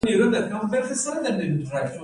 عسکر څنګه وطن ساتي؟